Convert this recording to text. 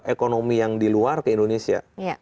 ekonomi yang di luar ke indonesia